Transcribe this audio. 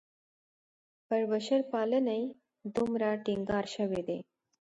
پر بشرپالنې دومره ټینګار شوی دی.